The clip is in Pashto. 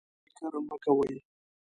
فکر مه کوئ